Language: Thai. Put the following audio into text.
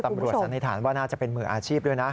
สันนิษฐานว่าน่าจะเป็นมืออาชีพด้วยนะ